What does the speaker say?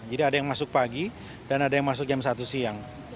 jadi ada yang masuk pagi dan ada yang masuk jam satu siang